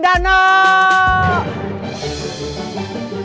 gue gak mau ke mana di kanan